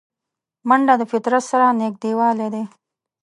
منډه د فطرت سره نږدېوالی دی